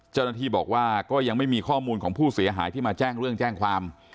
เจ้าหน้าที่บอกว่าก็ยังไม่มีข้อมูลของผู้เสียหายที่มาแจ้งเรื่องแจ้งความ